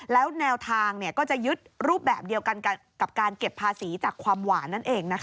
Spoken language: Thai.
แล้วแนวทางก็จะยึดรูปแบบเดียวกันกับการเก็บภาษีจากความหวานนั่นเอง